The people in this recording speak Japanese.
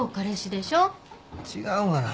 違うがな。